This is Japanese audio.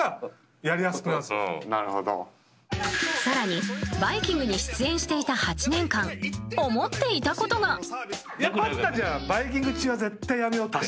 更に「バイキング」に出演していた８年間思っていたことが。